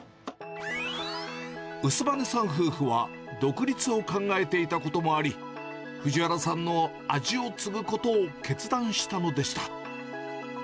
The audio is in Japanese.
薄羽さん夫婦は独立を考えていたこともあり、藤原さんの味を継ぐことを決断したのでした。